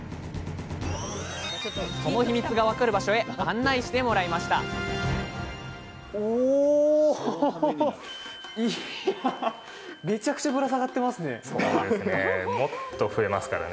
そのヒミツが分かる場所へ案内してもらいましたそうですね。